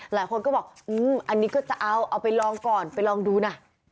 หลายคนก็บอกอันนี้ก็จะเอาเอาไปลองก่อนไปลองดูนะ